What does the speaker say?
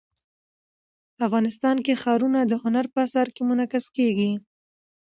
افغانستان کې ښارونه د هنر په اثار کې منعکس کېږي.